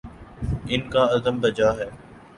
ان کا عزم بجا ہے۔